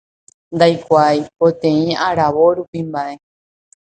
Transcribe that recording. Ndaikuaái, poteĩ aravo rupi mba'e.